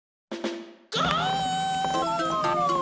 ゴー！